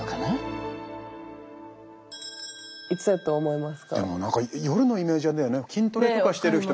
いつやと思いますか？